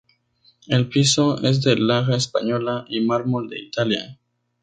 El piso es de laja española y mármol de Italia.